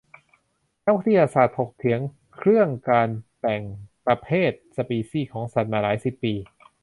นักวิทยาศาสตร์ถกเถียงเครื่องการแบ่งประเภทสปีชีส์ของสัตว์มาหลายสิบปี